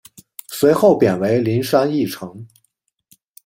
随后贬为麟山驿丞。